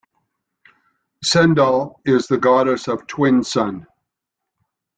Sendell is the goddess of Twinsun.